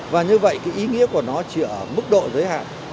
và như vậy cái ý nghĩa của nó chỉ ở mức độ giới hạn